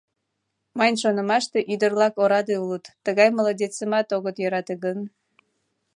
Мыйын шонымаште, ӱдыр-влак ораде улыт, тыгай молодецымат огыт йӧрате гын...